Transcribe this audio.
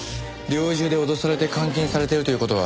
猟銃で脅されて監禁されているという事は